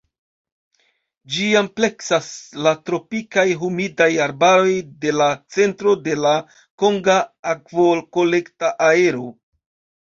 Ĝi ampleksas la tropikaj humidaj arbaroj de la centro de la konga akvokolekta areo.